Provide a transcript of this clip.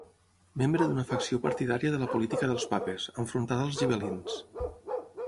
Membre d'una facció partidària de la política dels papes, enfrontada als gibel·lins.